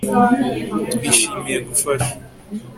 Twishimiye gufasha